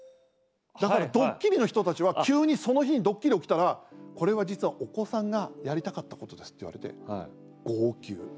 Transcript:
だから、ドッキリの人たちは急に、その日にドッキリ起きたらこれは実は、お子さんがやりたかったことですって言われて号泣。